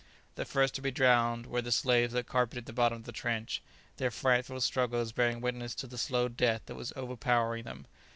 The first to be drowned were the slaves that carpeted the bottom of the trench, their frightful struggles bearing witness to the slow death that was overpowering them.